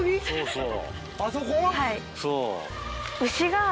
そう。